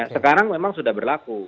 sekarang memang sudah berlaku